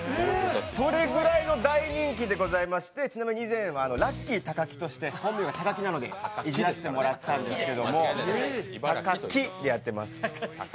それぐらいの大人気でございまして、ちなみに以前は、Ｒｕｃｋｙたかきとして、本名が高木なので、いじらせてもらったんですが、高木でやってます。